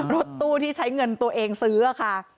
รถตู้ที่ใช้เงินตัวเองซื้อค่ะ